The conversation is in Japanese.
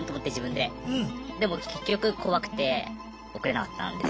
でも結局怖くて送れなかったんですよ。